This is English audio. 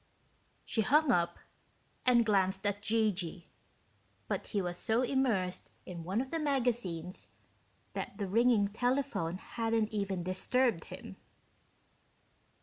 She hung up and glanced at G.G., but he was so immersed in one of the magazines that the ringing telephone hadn't even disturbed him.